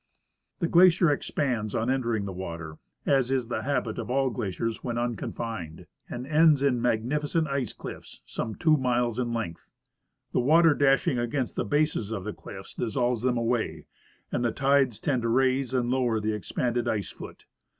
The glacier expands on entering the Avater, as is the habit of all glaciers AAdien unconfined, and ends in magnificent ice cliff's some two miles in length. The Avater dashing against the bases of the cliffs dissolves them aAvay, and the tides tend to raise and loAver the expanded ice foot.